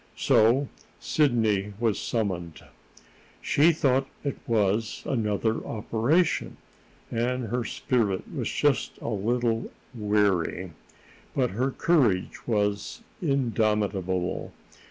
So Sidney was summoned. She thought it was another operation, and her spirit was just a little weary. But her courage was indomitable.